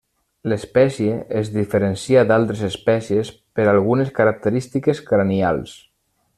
L'espècie es diferencia d'altres espècies per algunes característiques cranials.